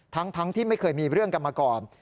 ทั้งที่ไม่เคยมีเรื่องกันมาก่อน